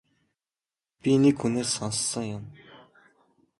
Би нэг хүнээс сонссон юм.